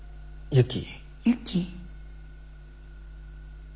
ユキ。